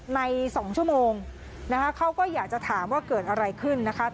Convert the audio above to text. ใน๒ชั่วโมงนะคะเขาก็อยากจะถามว่าเกิดอะไรขึ้นนะคะ